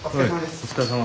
お疲れさま。